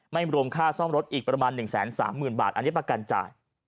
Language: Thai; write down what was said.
รวมค่าซ่อมรถอีกประมาณ๑๓๐๐๐บาทอันนี้ประกันจ่าย